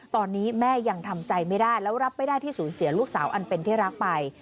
ตอนนี้แม่ยังทำใจไม่ได้แล้วรับไม่ได้ที่สูญเสียลูกสาวอันเป็นที่รักไป